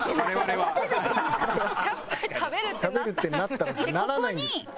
「食べるってなったら」ならないんですよ。